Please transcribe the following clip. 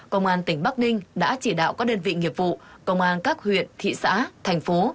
công an tỉnh bắc ninh đã chỉ đạo các đơn vị nghiệp vụ công an các huyện thị xã thành phố